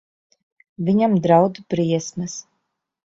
Viņam draud briesmas.